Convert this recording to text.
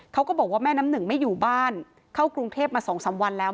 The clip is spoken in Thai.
เขาก็บอกว่าแม่น้ำหนึ่งไม่อยู่บ้านเข้ากรุงเทพมา๒๓วันแล้ว